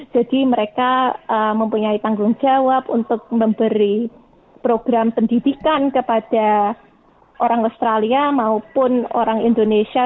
jadi mereka mempunyai tanggung jawab untuk memberi program pendidikan kepada orang australia maupun orang indonesia